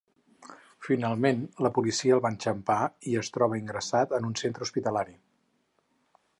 Finalment la policia el va enxampar i es troba ingressat en un centre hospitalari.